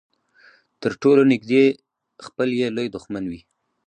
تر ټولو نږدې خپل يې لوی دښمن وي.